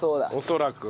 恐らく。